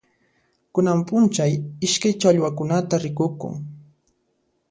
Kunan p'unchay iskay challwaqkunata rikukun.